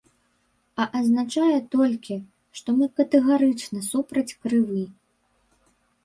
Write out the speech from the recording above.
А азначае толькі, што мы катэгарычна супраць крыві.